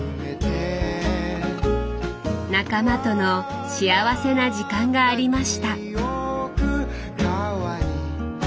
仲間との幸せな時間がありました。